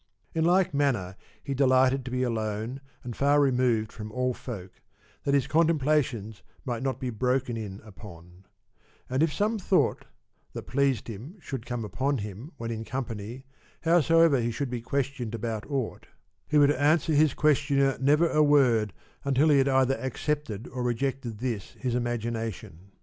In like manner he delighted to be alone and far removed from all folk, that his contemplations might not be broken in upon ; and if some thought that pleased him well should come upon him when in company, howsoever he should be questioned about aught he would answer his questioner never a word until he had either accepted or rejected this his imagination.